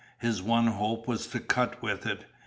His one hope was to cut with it.